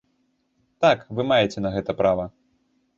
Так, вы маеце на гэта права.